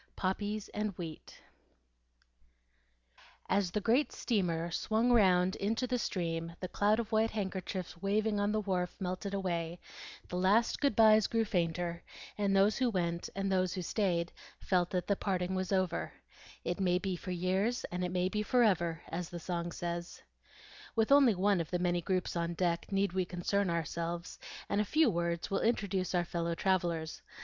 POPPIES AND WHEAT AS the great steamer swung round into the stream the cloud of white handkerchiefs waving on the wharf melted away, the last good byes grew fainter, and those who went and those who stayed felt that the parting was over, "It may be for years, and it may be forever," as the song says. With only one of the many groups on the deck need we concern ourselves, and a few words will introduce our fellow travellers.